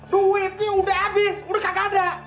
duit ini udah habis udah kagak ada